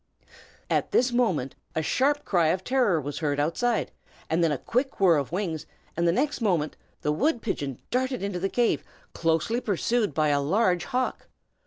At this moment a sharp cry of terror was heard outside, then a quick whirr of wings, and the next moment the wood pigeon darted into the cave, closely pursued by a large hawk.